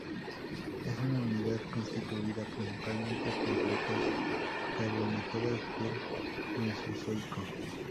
Es una unidad constituida principalmente por "rocas carbonatadas" del mesozoico.